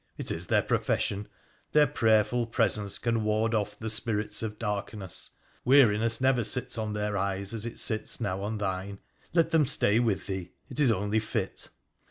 It is their profession ; their prayerful presence can ward off the spirits of darkness ; weariness never sits on their eyes as it sits now on thine. Let them stay with thee ; it is only fit.'